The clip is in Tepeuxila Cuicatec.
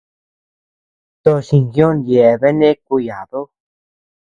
Toch jinkioʼö yabean nëʼe kuyadu.